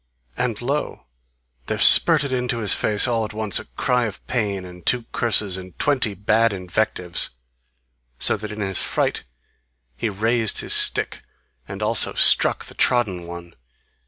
And lo, there spurted into his face all at once a cry of pain, and two curses and twenty bad invectives, so that in his fright he raised his stick and also struck the trodden one.